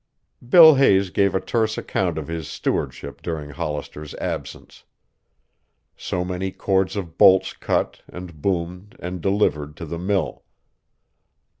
Bill Hayes gave a terse account of his stewardship during Hollister's absence. So many cords of bolts cut and boomed and delivered to the mill.